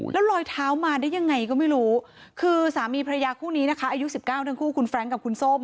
แล้วลอยเท้ามาได้ยังไงก็ไม่รู้คือสามีพระยาคู่นี้นะคะอายุ๑๙ทั้งคู่คุณแฟรงค์กับคุณส้ม